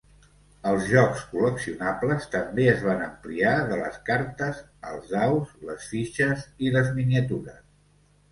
Els jocs col·leccionables també es van ampliar de les cartes als daus, les fitxes i les miniatures.